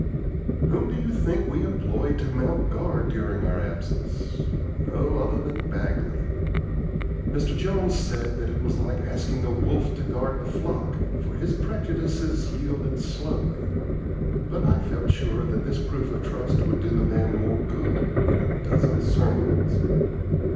Whom do you think we employed to mount guard during our absence? No other than Bagley. Mr. Jones said that it was like asking a wolf to guard the flock, for his prejudices yielded slowly; but I felt sure that this proof of trust would do the man more good than a dozen sermons.